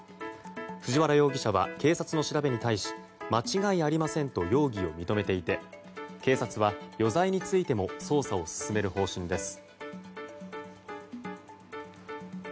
藤原容疑者は警察の調べに対し間違いありませんと容疑を認めていて警察は余罪についても捜査を進める方針です。